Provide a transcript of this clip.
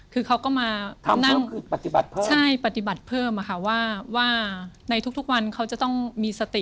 คือเขาก็มานั่งใช่ปฏิบัติเพิ่มค่ะว่าในทุกวันเขาจะต้องมีสติ